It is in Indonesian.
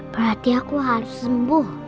berarti aku harus sembuh